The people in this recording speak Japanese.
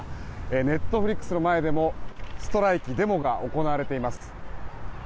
Ｎｅｔｆｌｉｘの前でもストライキ・デモが行れています。